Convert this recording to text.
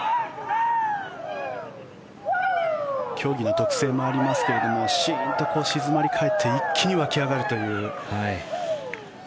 競技の特性もありますがシーンと静まり返って一気に湧き上がるという。